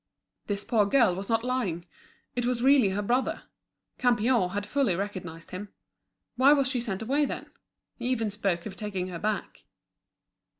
This poor girl was not lying; it was really her brother. Campion had fully recognised him. Why was she sent away, then? He even spoke of taking her back.